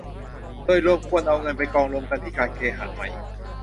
โดยรวมควรเอาเงินไปกองรวมกันที่การเคหะไหม